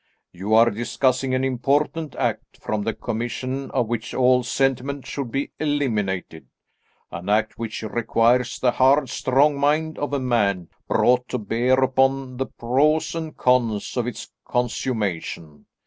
You are discussing an important act, from the commission of which all sentiment should be eliminated; an act which requires the hard strong mind of a man brought to bear upon the pros and cons of its consummation.